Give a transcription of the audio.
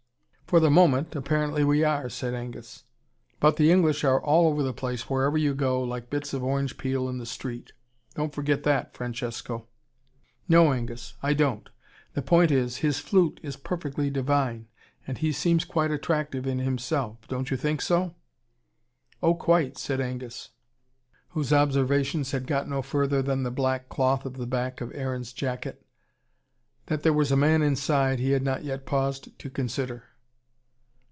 "For the moment, apparently we are," said Angus. "But the English are all over the place wherever you go, like bits of orange peel in the street. Don't forget that, Francesco." "No, Angus, I don't. The point is, his flute is PERFECTLY DIVINE and he seems quite attractive in himself. Don't you think so?" "Oh, quite," said Angus, whose observations had got no further than the black cloth of the back of Aaron's jacket. That there was a man inside he had not yet paused to consider.